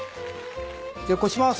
じゃあこします。